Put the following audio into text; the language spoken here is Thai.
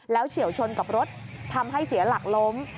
แล้วเฉียวชนกับรถทำให้เสียหลักล้ม